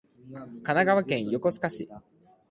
神奈川県横須賀市